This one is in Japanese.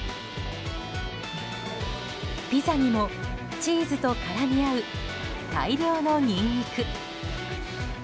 ピザにもチーズと絡み合う大量のニンニク。